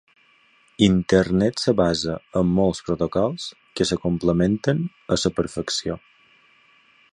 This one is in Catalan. Internet es basa en molts protocols que es complementen a la perfecció.